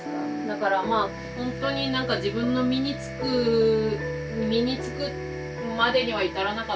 だからまあほんとになんか自分の身に付く身に付くまでには至らなかったなとは思いますね。